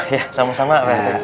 ya sama sama pak rt